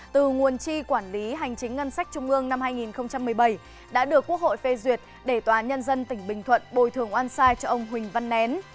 từ nguồn chi quản lý hành chính ngân sách trung ương năm hai nghìn một mươi bảy đã được quốc hội phê duyệt để tòa nhân dân tỉnh bình thuận bồi thường oan sai cho ông huỳnh văn nén